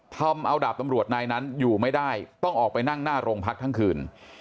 ทำเอาดาบตำรวจนายนั้นอยู่ไม่ได้ต้องออกไปนั่งหน้าโรงพักทั้งคืน